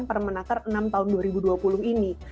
permenaker enam tahun dua ribu dua puluh ini